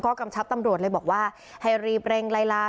กำชับตำรวจเลยบอกว่าให้รีบเร่งไล่ลา